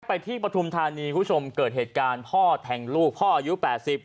ที่ปฐุมธานีคุณผู้ชมเกิดเหตุการณ์พ่อแทงลูกพ่ออายุ๘๐